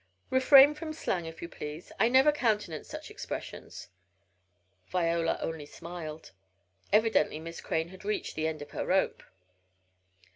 '" "Refrain from slang, if you please. I never countenance such expressions." Viola only smiled. Evidently Miss Crane had reached "the end of her rope."